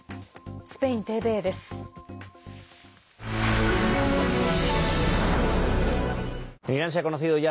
スペインＴＶＥです。